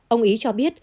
ông ý cho biết